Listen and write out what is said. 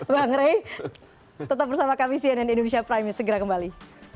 bang rey tetap bersama kami cnn indonesia prime news segera kembali